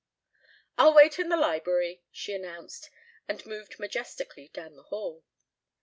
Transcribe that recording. "I'll wait in the library," she announced, and moved majestically down the hall.